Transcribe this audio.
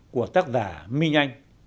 của tác giả minh anh